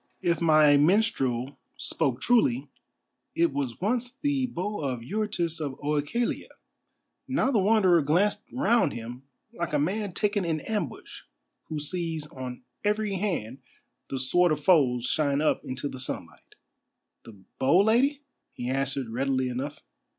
If my minstrel spoke truly, it was once the Bow of Eurytus of OEchalia." Now the Wanderer glanced round him like a man taken in ambush, who sees on every hand the sword of foes shine up into the sunlight. "The bow, Lady?" he answered readily enough.